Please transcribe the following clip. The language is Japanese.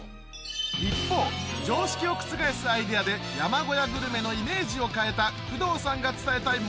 一方常識を覆すアイデアで山小屋グルメのイメージを変えた工藤さんが伝えたい